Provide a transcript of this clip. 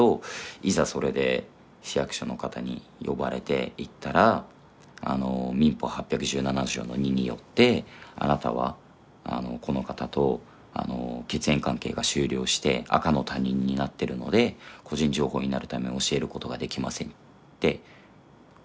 いざそれで市役所の方に呼ばれて行ったら「民法８１７条の２によってあなたはこの方と血縁関係が終了して赤の他人になってるので個人情報になるため教えることができません」って口頭で言われて。